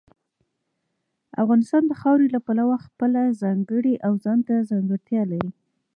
افغانستان د خاورې له پلوه خپله ځانګړې او ځانته ځانګړتیا لري.